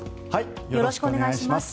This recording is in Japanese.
よろしくお願いします。